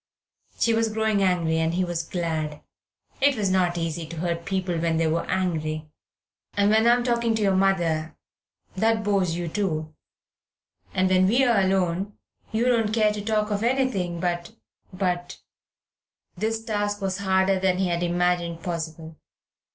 She was growing angry, and he was glad. It is not so easy to hurt people when they are angry. "And when I am talking to your mother, that bores you too, and when we are alone, you don't care to talk of anything, but but " This task was harder than he had imagined possible.